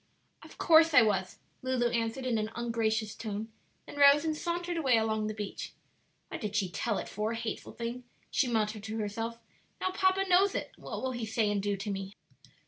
"Of course I was," Lulu answered in an ungracious tone; then rose and sauntered away along the beach. "What did she tell it for, hateful thing!" she muttered to herself; "now papa knows it, and what will he say and do to me?"